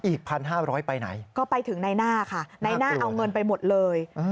อีก๑๕๐๐ไปไหนก็ไปถึงในหน้าค่ะในหน้าเอาเงินไปหมดเลย